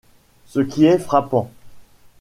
Ce qui est frappant.